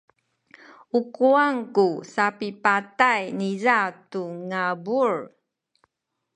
u kuwang ku sapipatay niza tu ngabul.